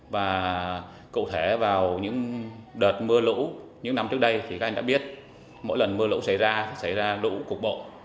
và cụ thể vào những đợt mưa lũ những năm trước đây thì các anh đã biết mỗi lần mưa lũ xảy ra xảy ra lũ cục bộ